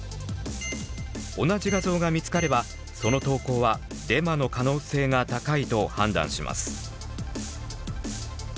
同じ画像が見つかればその投稿はデマの可能性が高いと判断します。